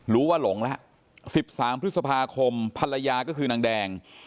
หลงแล้ว๑๓พฤษภาคมภรรยาก็คือนางแดง